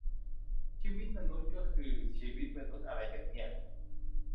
ชีวิตมนุษย์ก็คือชีวิตมนุษย์อะไรกันเนี่ย ?